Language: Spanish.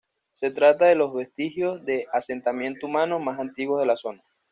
Se trata de los vestigios de asentamiento humano más antiguos de la zona.